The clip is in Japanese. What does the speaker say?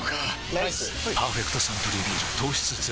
ライス「パーフェクトサントリービール糖質ゼロ」